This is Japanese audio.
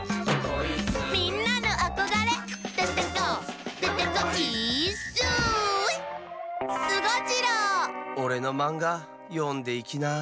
「みんなのあこがれ」「デテコデテコイーッス」おれのマンガよんでいきな。